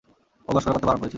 ও মশকরা করতে বারণ করেছিল।